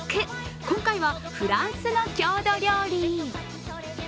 今回はフランスの郷土料理。